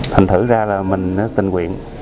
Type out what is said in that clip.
thành thử ra là mình tình nguyện